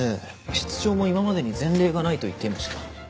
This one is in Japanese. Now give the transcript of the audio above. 室長も今までに前例がないと言っていました。